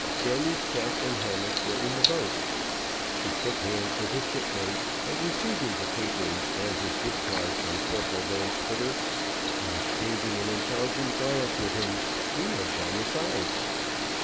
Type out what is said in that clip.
Jemmy's chest and hammocks were in the boat. He shook hands with his shipmates, and receiving the papers and his discharge from Corporal Van Spitter, and exchanging an intelligent glance with him, he went down the side.